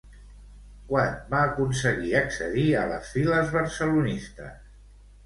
Quan va aconseguir accedir a les files barcelonistes?